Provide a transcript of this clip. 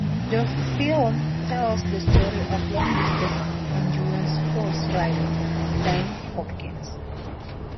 The film tells the story of long-distance endurance horse rider, Frank Hopkins.